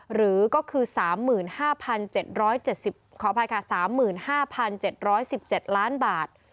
หรือก็คือ๓๕๗๗๐ขออภัยค่ะ๓๕๗๑๗ล้านบาท